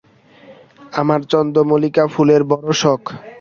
আমার চন্দ্রমল্লিকা ফুলের বড়ো শখ।